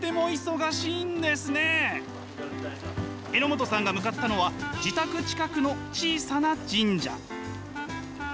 榎本さんが向かったのは自宅近くの小さな神社。